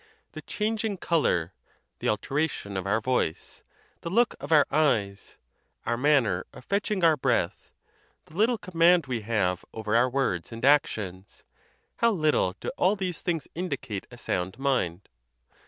'The changing color, the alteration of our voice, the look of our eyes, our manner of fetching our breath, the little command we have over our words and actions, how little do all these things indicate a sound mind!